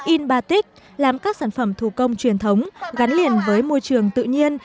in batic làm các sản phẩm thủ công truyền thống gắn liền với môi trường tự nhiên